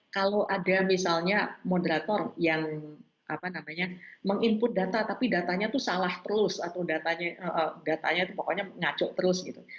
kalau ada misalnya moderator yang meng input data tapi datanya itu salah terus atau datanya itu pokoknya ngaco terus gitu